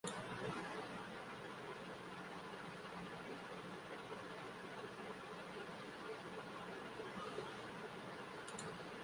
স্বরাষ্ট্রমন্ত্রণালয় দাবী করেছে বিগত কিছু বছরে এই বিধানের মাধ্যমে সহস্রাধিক মুসলিম নাগরিকত্বের জন্য আবেদন করেছে এবং নাগরিকত্ব পেয়েছে।